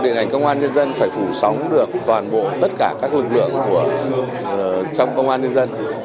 điện ảnh công an nhân dân phải phủ sóng được toàn bộ tất cả các lực lượng trong công an nhân dân